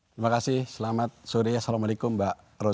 terima kasih selamat sore assalamualaikum mbak roni